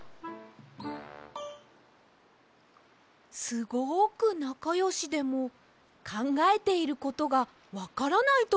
すごくなかよしでもかんがえていることがわからないときもあるようです！